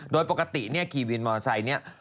โดยปกตินี่ขี่วินมอเซจนี่